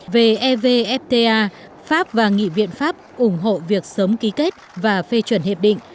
về evfta pháp và nghị viện pháp ủng hộ việc sớm ký kết và phê chuẩn hiệp định